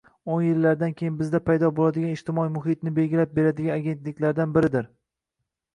Oʻn yillardan keyin bizda paydo boʻladigan ijtimoiy muhitni belgilab beradigan agentliklardan biridir.